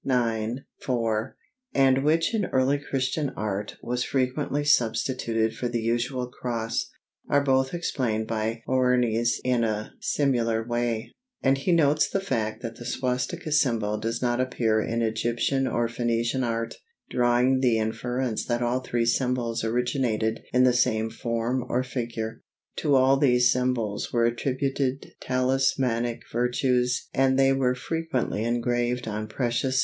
ix, 4), and which in Early Christian art was frequently substituted for the usual cross, are both explained by Hoernes in a similar way, and he notes the fact that the swastika symbol does not appear in Egyptian or Phœnician art, drawing the inference that all three symbols originated in the same form or figure. To all these symbols were attributed talismanic virtues and they were frequently engraved on precious stones.